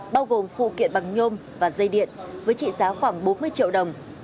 bao gồm phụ kiện bằng nhôm và dây điện với trị giá khoảng bốn mươi triệu đồng